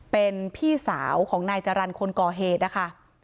เป็นพี่สาวของนายจรรย์คนก่อเหตุนะคะ